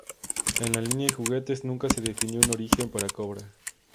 En la línea de juguetes, nunca se definió un origen para Cobra.